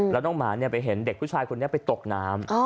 แล้วน้องหมาไปเห็นเด็กผู้ชายคนนี้ไปตกน้ำ